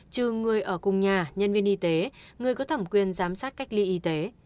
trừ người ở cùng nhà nhân viên y tế người có thẩm quyền giám sát cách ly y tế